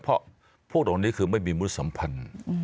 เพราะพวกเหล่านี้คือไม่มีมุสัมพันธ์